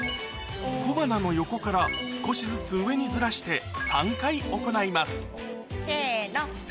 小鼻の横から少しずつ上にずらして３回行いますせの。